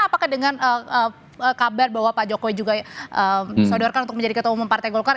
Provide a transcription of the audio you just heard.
apakah dengan kabar bahwa pak jokowi juga disodorkan untuk menjadi ketua umum partai golkar